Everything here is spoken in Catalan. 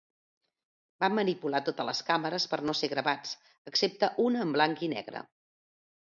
Van manipular totes les càmeres per no ser gravats, excepte una en blanc i negre.